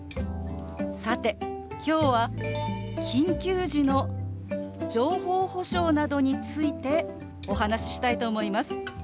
さて今日は緊急時の情報保障などについてお話ししたいと思います。